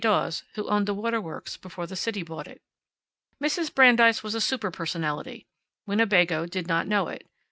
Dawes, who owned the waterworks before the city bought it. Mrs. Brandeis was a super personality. Winnebago did not know it.